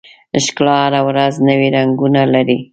ښکلا هره ورځ نوي رنګونه لري.